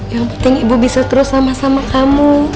yang penting ibu bisa terus sama sama kamu